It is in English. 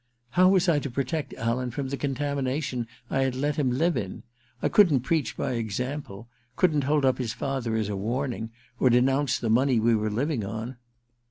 How was I to protect Alan from the contamination I had let him live in ? I couldn't preach by ex ample — couldn't hold up his father as a warning, or denounce the money we were living on.